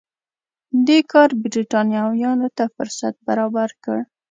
دې کار برېټانویانو ته فرصت برابر کړ.